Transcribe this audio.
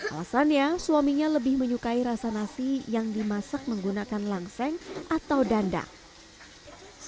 alasannya suaminya lebih menyukai rasa nasi yang dimasak menggunakan langseng atau dandang